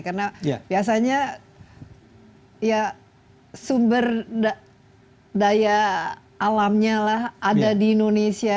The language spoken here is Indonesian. karena biasanya sumber daya alamnya ada di indonesia